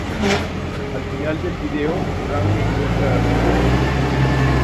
Al final del video, Brown encuentra un nuevo amor.